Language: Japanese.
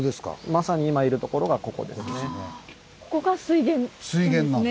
まさに今いる所がここですね。